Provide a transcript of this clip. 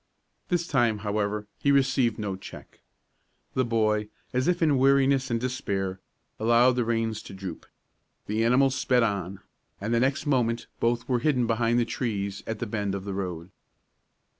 This time, however, he received no check. The boy, as if in weariness and despair, allowed the reins to droop. The animal sped on, and the next moment both were hidden behind the trees at the bend of the road.